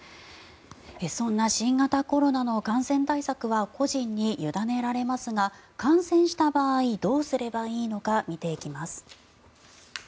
そんな新型コロナの感染対策は個人に委ねられますが感染した場合どうすればいいのか見ていきます。